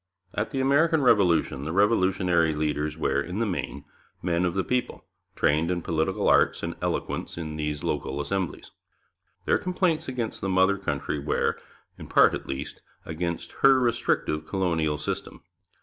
At the American Revolution the revolutionary leaders were, in the main, men of the people, trained in political arts and eloquence in these local assemblies; their complaints against the mother country were, in part at least, against her restrictive colonial system.